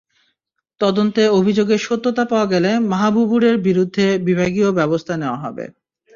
তদন্তে অভিযোগের সত্যতা পাওয়া গেলে মাহবুবুরের বিরুদ্ধে বিভাগীয় ব্যবস্থা নেওয়া হবে।